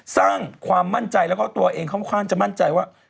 สร้างความมั่นใจแล้วก็ตัวเองค่อนข้างจะมั่นใจว่า